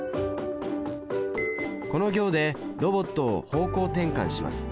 この行でロボットを方向転換します。